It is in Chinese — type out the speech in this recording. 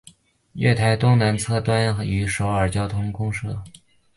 月台东南侧端与首尔交通公社车站设有转乘通道。